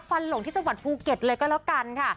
ฟันหลงที่สวรรค์ภูเก็ตเลยก็แล้วกันค่ะ